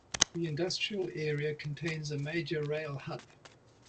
The industrial area contains a major rail hub.